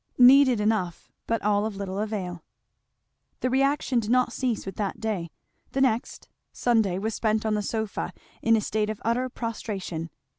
Needed enough, but all of little avail. The reaction did not cease with that day. The next, Sunday, was spent on the sofa, in a state of utter prostration.